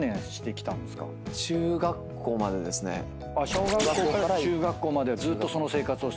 小学校から中学校まではずーっとその生活をしている。